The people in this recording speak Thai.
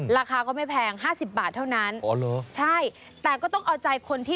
ราคาก็ไม่แพง๕๐บาทเท่านั้น